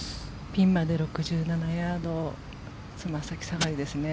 ピンまで６７ヤードつま先下がりですね。